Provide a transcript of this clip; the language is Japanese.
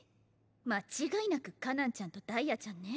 間違いなく果南ちゃんとダイヤちゃんね。